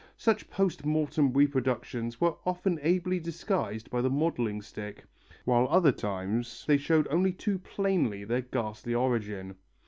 Such post mortem reproductions were often ably disguised by the modelling stick, while at other times they showed only too plainly their ghastly origin.